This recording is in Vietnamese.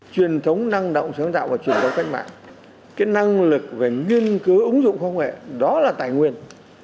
truyền thống năng động sáng tạo và truyền thống cách mạng cái năng lực về nghiên cứu ứng dụng công nghệ đó là tài nguyên